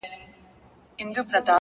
د زاړه کتاب پاڼې لږ ژیړې وي.!